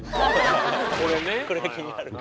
これは気になるか。